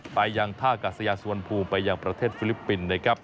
ไปยังท่ากาศยาสุวรรณภูมิไปยังประเทศฟิลิปปินส์นะครับ